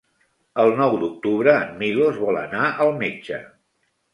El nou d'octubre en Milos vol anar al metge.